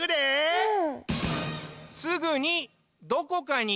うん。